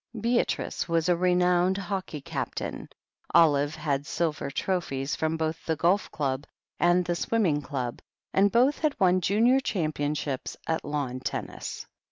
Beatrice was a renowned hockey captain; Olive had silver trophies from both the Golf Club and the Swim ming Club, and both had won Junior Championships at lawn tennis.